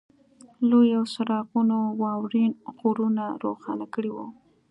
لویو څراغونو واورین غرونه روښانه کړي وو